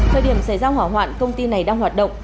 thời điểm xảy ra hỏa hoạn công ty này đang hoạt động